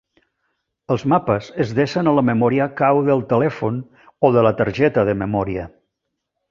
Els mapes es desen a la memòria cau del telèfon o de la targeta de memòria.